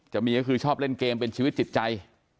จะมีก็คือชอบเล่นเกมเป็นชีวิตจิตใจ